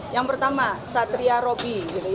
yang pertama satria robi